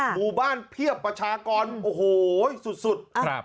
หมู่บ้านเพียบประชากรโอ้โหสุดสุดครับ